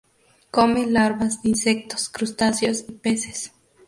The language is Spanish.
Come larvas de insectos, crustáceos y peces.